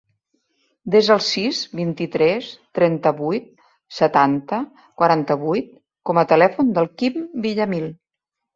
Desa el sis, vint-i-tres, trenta-vuit, setanta, quaranta-vuit com a telèfon del Quim Villamil.